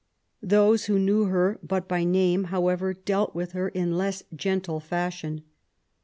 Those who knew her but by name, however, dealt with her in less gentle fashion.